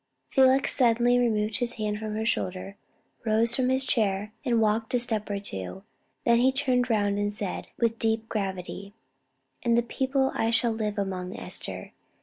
Felix suddenly removed his hand from her shoulder, rose from his chair, and walked a step or two; then he turned round and said, with deep gravity "And the people I shall live among, Esther?